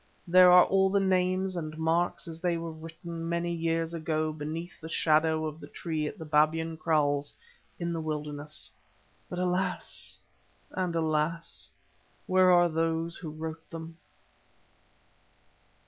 There are all the names and marks as they were written many years ago beneath the shadow of the tree at Babyan Kraals in the wilderness, but alas! and alas! where are those who wrote them?